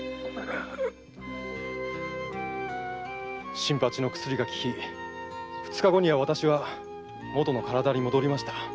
新八の薬が効き二日後には私はもとの体に戻りました。